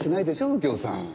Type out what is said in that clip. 右京さん。